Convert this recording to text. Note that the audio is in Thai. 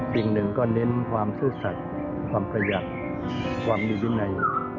สิ่งหนึ่งก็เน้นความซื่อสัตว์ความประหยัดความมีวินัย